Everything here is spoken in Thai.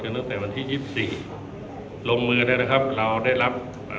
กันตั้งแต่วันที่ยิบสี่ลงมือดีนะครับเราได้รับอ่า